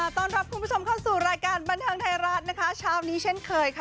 ต้อนรับคุณผู้ชมเข้าสู่รายการบันเทิงไทยรัฐนะคะเช้านี้เช่นเคยค่ะ